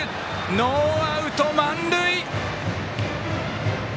ノーアウト、満塁！